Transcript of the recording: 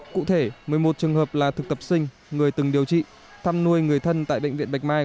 cụ thể một mươi một trường hợp là thực tập sinh người từng điều trị thăm nuôi người thân tại bệnh viện bạch mai